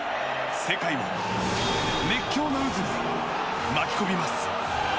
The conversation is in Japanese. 世界を熱狂の渦に巻き込みます。